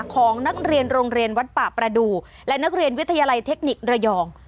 ของนักเรียนโรงเรียนวัดป่าประดูกและนักเรียนวิทยาลัยเทคนิคระยอง